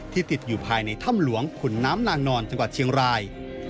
ติดอยู่ภายในถ้ำหลวงขุนน้ำนางนอนจังหวัดเชียงราย